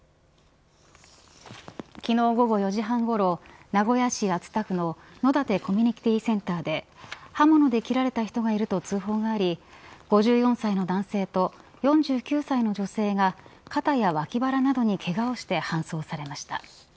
昨日、午後４時半ごろ名古屋市熱田区の野立コミュニティセンターで刃物で切られた人がいると通報があり５４歳の男性と、４９歳の女性が肩や脇腹などにけがをして搬送されました。